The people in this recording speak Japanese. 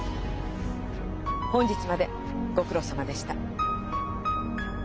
本日までご苦労さまでした。